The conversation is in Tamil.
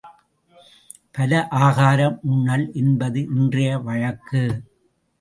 பல ஆகாரம் உண்ணல் என்பது இன்றைய வழக்கு.